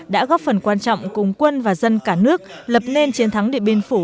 đã góp phần quan trọng cùng quân và dân cả nước lập nên chiến thắng điện biên phủ